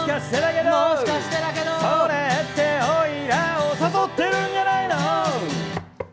それっておいらを誘ってるんじゃないの？